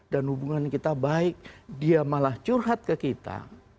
dan hubungan kita baik dia malah curhat ke kita